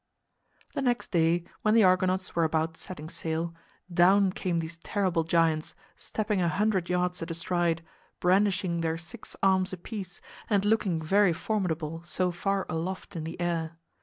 The next day, when the Argonauts were about setting sail, down came these terrible giants, stepping a hundred yards at a stride, brandishing their six arms apiece and looking very formidable so far aloft in the air.